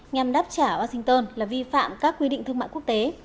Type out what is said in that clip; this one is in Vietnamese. nhằm đáp trả washington là vi phạm các quy định thương mại quốc tế